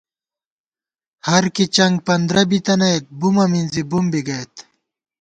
ہرکی چنگ پندرہ بی تَنَئیت بُمہ مِنزی بُم بی گئیت